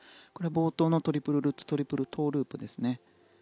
冒頭のトリプルルッツトリプルトウループですね。